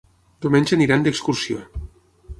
Diumenge aniran d'excursió.